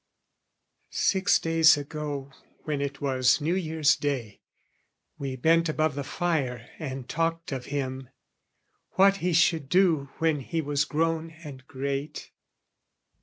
Six days ago when it was New Year's day, We bent above the fire and talked of him, What he should do when he was grown and great.